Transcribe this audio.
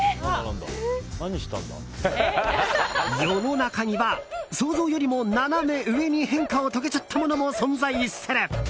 世の中には想像よりもナナメ上に変化を遂げちゃったものも存在する。